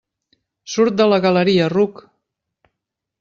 Surt de la galeria, ruc!